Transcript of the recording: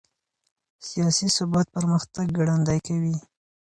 سياسي ثبات پرمختګ ګړندی کوي.